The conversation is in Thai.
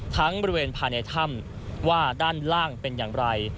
บริเวณภายในถ้ำว่าด้านล่างเป็นอย่างไร